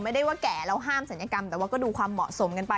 ไม่ได้ว่าแก่แล้วห้ามศัลยกรรมแต่ว่าก็ดูความเหมาะสมกันไป